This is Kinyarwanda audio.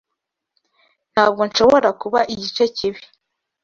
Ntabwo nshobora kuba igice cyibi.